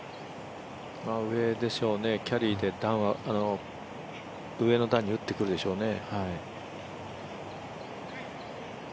上でしょうね、キャリーで上の段に打ってくるでしょうね。